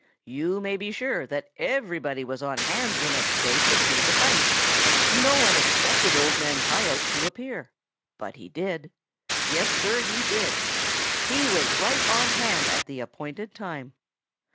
"You may be sure that everybody was on hand the next day to see that fight. No one expected Old Man Coyote to appear. But he did. Yes, Sir, he did. He was right on hand at the appointed time.